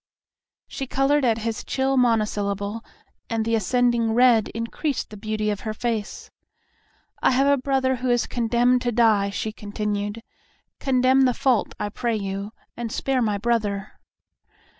She colored at his chill monosyllable and the ascending red increased the beauty of her face. "I have a brother who is condemned to die," she continued. "Condemn the fault, I pray you, and spare my brother."